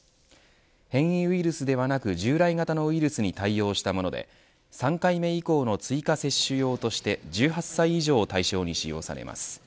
変異ウイルスではなく、従来型のウイルスに対応したもので３回目以降の追加接種用として１８歳以上を対象に使用されます。